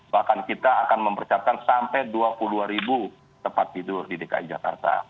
bahkan kita akan mempersiapkan sampai dua puluh dua ribu tempat tidur di dki jakarta